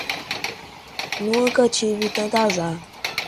Nunca tive tanto azar